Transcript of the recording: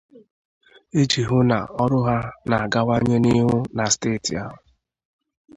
iji hụ na ọrụ ha na-agawanye n'ihu na steeti ahụ.